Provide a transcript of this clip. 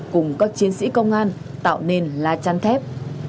cùng các chiến sĩ công an tạo nên là chăn thép